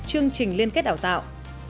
chương trình liên kết đào tạo